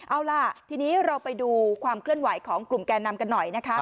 เอาล่ะทีนี้เราไปดูความเคลื่อนไหวของกลุ่มแก่นำกันหน่อยนะคะ